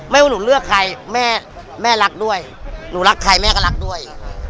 ว่าหนูเลือกใครแม่แม่รักด้วยหนูรักใครแม่ก็รักด้วย